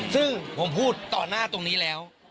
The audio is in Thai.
ซึ่งผมพูดต่อหน้าตรงนี้แล้ว